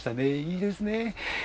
いいですね。